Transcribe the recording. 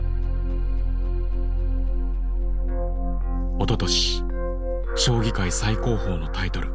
おととし将棋界最高峰のタイトル